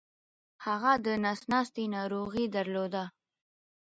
هغه دنس ناستې ناروغې درلوده